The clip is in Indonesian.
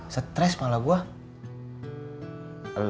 stress malah gue